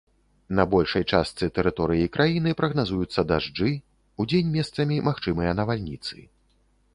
На большай частцы тэрыторыі краіны прагназуюцца дажджы, удзень месцамі магчымыя навальніцы.